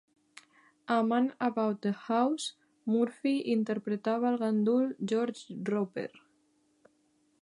A "Man About the House" Murphy interpretava al gandul George Roper.